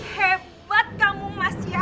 hebat kamu mas ya